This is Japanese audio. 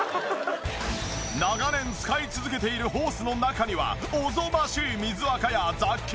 長年使い続けているホースの中にはおぞましい水垢や雑菌がびっしり！